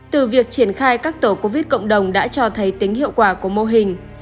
từ việc triển khai các tổ covid cộng đồng đã cho thấy tính hiệu quả của mô hình